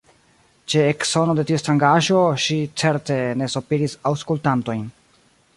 Ĉe eksono de tiu strangaĵo ŝi certe ne sopiris aŭskultantojn.